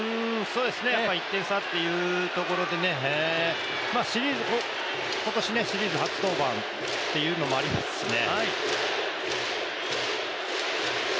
やっぱり１点差というところで、今年シリーズ初登板というのもありますしね。